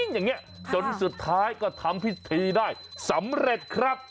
อย่างนี้จนสุดท้ายก็ทำพิธีได้สำเร็จครับ